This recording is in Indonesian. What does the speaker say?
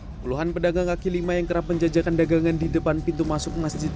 hai puluhan pedagang kaki lima yang kerap menjajakan dagangan di depan pintu masuk masjid